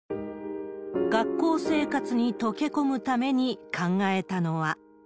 学校生活に溶け込むために考えたのは。